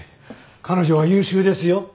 彼女は優秀ですよ。